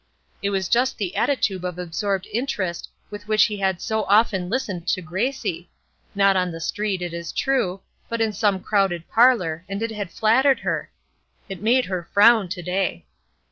It was just the attitude of absorbed interest with which he had so often listened to Gracie; not on the street, it is true, but in some crowded parlor, and it had flattered her. It made her frown to day.